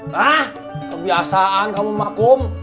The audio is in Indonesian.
hah kebiasaan kamu mah kum